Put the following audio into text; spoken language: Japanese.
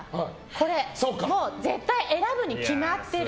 これ、絶対選ぶにきまってる。